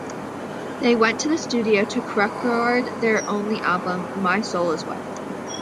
They went to the studio to record their only album, "My Soul is Wet".